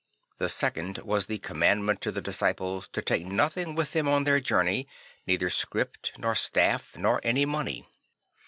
The second was the commandment to the disciples to take nothing with them on their journey, neither scrip nor staff nor any money.